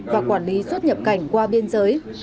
và quản lý xuất nhập cảnh qua biên giới